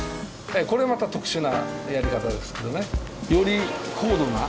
これまた特殊なやり方ですけどね。